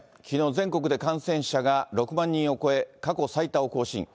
きのう、全国で感染者が６万人を超え、過去最多を更新。